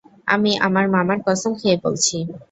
আমি আমার মামার কসম খেয়ে বলছি।